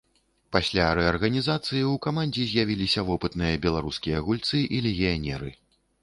Пасля рэарганізацыі ў камандзе з'явіліся вопытныя беларускія гульцы і легіянеры.